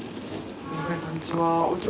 こんにちは。